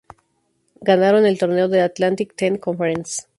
Ganaron el torneo de la Atlantic Ten Conference.